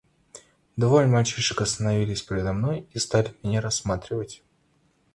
Двое мальчишек остановились передо мной и стали меня рассматривать.